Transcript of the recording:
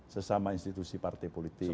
sesama institusi partai politik